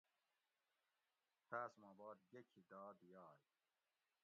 تاۤس ما باد گیکھی داد یاگ